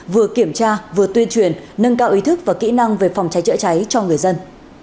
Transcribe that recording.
vừa kiểm tra vừa tuyên truyền nâng cao ý thức và kỹ năng về phòng cháy chữa cháy cho người dân